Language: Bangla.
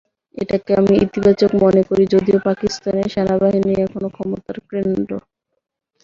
এটাকে আমি ইতিবাচকই মনে করি, যদিও পাকিস্তানে সেনাবাহিনীই এখনো ক্ষমতার কেন্দ্র।